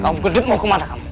kamu kedek mau ke mana kamu